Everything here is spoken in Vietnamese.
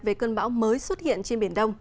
về cơn bão mới xuất hiện trên biển đông